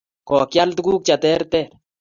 Kokial tuguk che terter